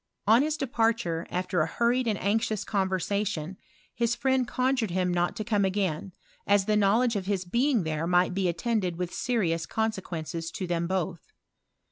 On his departure, after a hurried and anxious conversation, his friend con jured him not to come again, as the knowledge of nis being there might be attended with serious con sequences to them both.